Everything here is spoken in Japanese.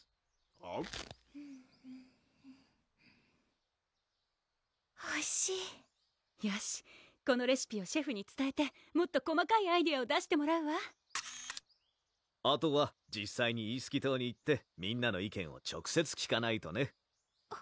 おいしいよしこのレシピをシェフにつたえてもっと細かいアイデアを出してもらうわあとは実際にイースキ島に行ってみんなの意見を直接聞かないとね